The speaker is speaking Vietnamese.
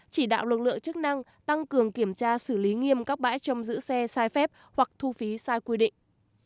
chỉ đạo lực lượng chức năng tăng cường kiểm tra xử lý nghiêm các bãi trong giữ xe sai phép hoặc thu phí sai quy định